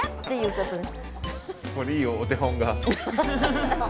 ここにいいお手本が。